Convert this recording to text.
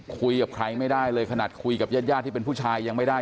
คุยกับใครไม่ได้เลยขนาดคุยกับญาติญาติที่เป็นผู้ชายยังไม่ได้